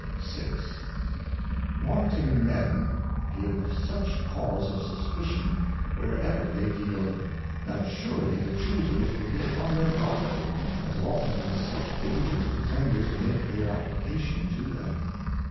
VL Wanting Men give such cause of suspicion where ever they deal, that surely the Chusers will be upon their guard, as often as such dangerous pretenders make their application to them.